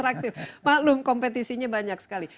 aktif maklum kompetisinya banyak sekali